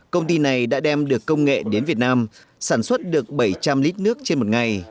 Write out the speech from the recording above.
công ty này đã đem được công nghệ đến việt nam sản xuất được bảy trăm linh lít nước trên một ngày